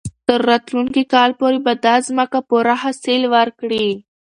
تر راتلونکي کال پورې به دا ځمکه پوره حاصل ورکړي.